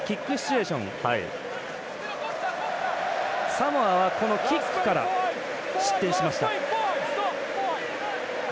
サモアはキックから失点しました。